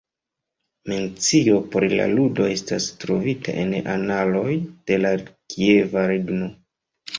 Mencio pri la ludo estas trovita en analoj de la Kieva Regno.